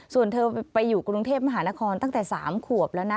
ส่วนเธอไปอยู่กรุงเทพมหานครตั้งแต่๓ขวบแล้วนะ